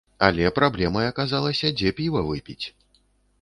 Але праблемай аказалася, дзе піва выпіць.